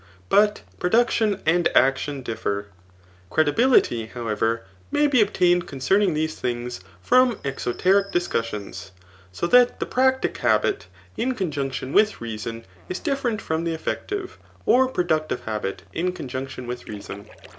But production and action differ* CredibUity, however, may be obtained concern* ing these things from exoteric discussions; so that the practic habit in conjunction with reason, is different from the effective, or productive habit in conjunction with reason.